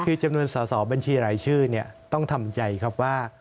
คือจำนวนสอสอบัญชีรายชื่อต้องทำใจครับว่า